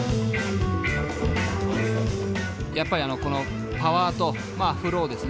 やっぱりこのパワーとフローですね